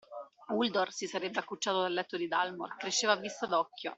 Uldor si sarebbe accucciato al letto di Dalmor: cresceva a vista d’occhio.